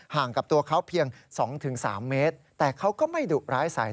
กับตัวเขาเพียง๒๓เมตรแต่เขาก็ไม่ดุร้ายใส่